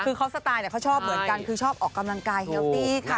คือเขาสไตล์เขาชอบเหมือนกันคือชอบออกกำลังกายเฮลตี้ค่ะ